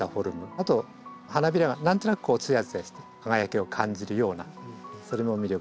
あと花びらが何となくつやつやして輝きを感じるようなそれも魅力です。